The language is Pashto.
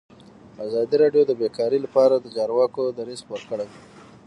ازادي راډیو د بیکاري لپاره د چارواکو دریځ خپور کړی.